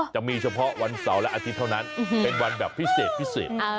จะมีเฉพาะวันเสาร์และอาทิตย์เท่านั้นเป็นวันแบบพิเศษพิเศษ